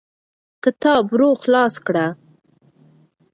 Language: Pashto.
کتاب ورو خلاص کړه.